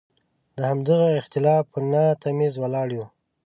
د همدغه اختلاف په نه تمیز ولاړ یو.